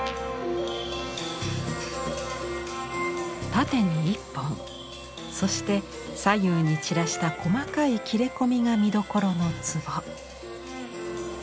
縦に一本そして左右に散らした細かい切れ込みが見どころの壺。